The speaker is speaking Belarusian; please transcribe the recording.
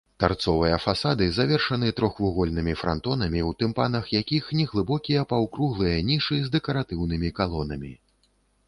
Тарцовыя фасады завершаны трохвугольнымі франтонамі, у тымпанах якіх неглыбокія паўкруглыя нішы з дэкаратыўнымі калонамі.